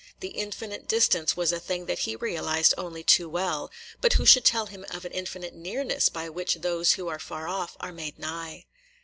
The infinite distance was a thing that he realized only too well; but who should tell him of an infinite nearness by which those who are far off are made nigh?